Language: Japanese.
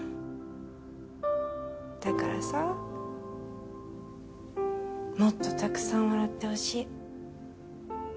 だからさぁもっとたくさん笑ってほしい。